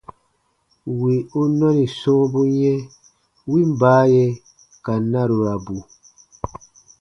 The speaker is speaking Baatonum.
Wì u nɔni sɔ̃ɔbu yɛ̃, win baaye ka narurabu.